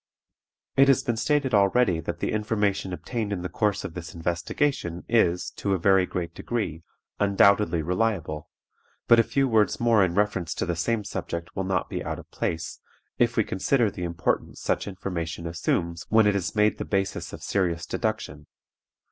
It has been stated already that the information obtained in the course of this investigation is, to a very great degree, undoubtedly reliable; but a few words more in reference to the same subject will not be out of place, if we consider the importance such information assumes when it is made the basis of serious deduction.